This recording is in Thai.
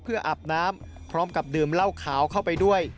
เพื่ออาบน้ำพร้อมกับดื่มเหล้าขาวเข้าไปด้วย